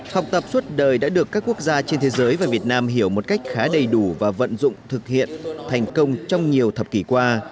học tập suốt đời đã được các quốc gia trên thế giới và việt nam hiểu một cách khá đầy đủ và vận dụng thực hiện thành công trong nhiều thập kỷ qua